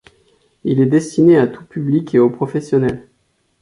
Il est destiné à tout public et aux professionnels.